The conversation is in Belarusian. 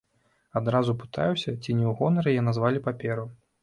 Адразу пытаюся, ці не ў гонар яе назвалі паперу.